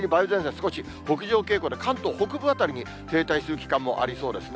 少し北上傾向で、関東北部辺りに停滞する期間もありそうですね。